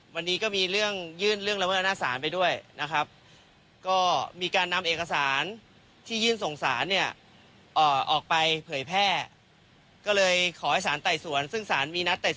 วันนี้ก็มีเรื่องยื่นเรื่องละเมิดอำนาจศาลไปด้วยนะครับ